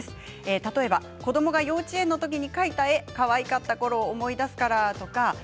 例えば子どもが幼稚園の時に描いた絵、かわいかったころを思い出すからとか。